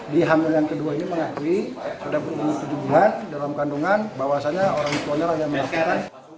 di hamil yang kedua ini mengakui sudah berusia tujuh bulan dalam kandungan bahwasannya orang tuanya rakyat melakukan